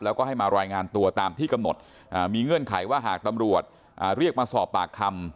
แล้วก็ให้มารายงานตัวตามที่กำหนดมีเงื่อนไขว่าหากตำรวจเรียกมาสอบปากคำ